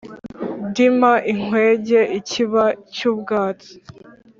Dimba ikwege-Ikiba cy'ubwatsi.